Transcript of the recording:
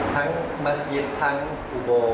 ทั้งมัสยิตทั้งกุโบ